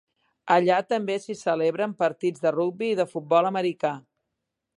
Allà també s'hi celebren partits de rugby i de futbol americà.